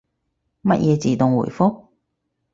乜嘢自動回覆？